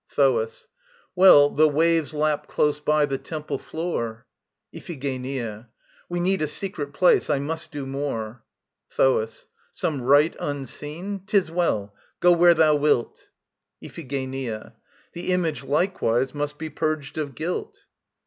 THOAS. Well, the waves lap close by the temple floor. IPHIGENIA. We need a secret place. I must do more. THOAS. Some rite unseen? 'Tis well. Go where thou wilt. IPHIGENIA. The Image likewise must be purged of guilt.